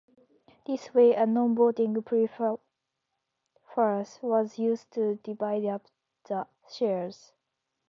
This way a nonvoting preference was used to divide up the shares.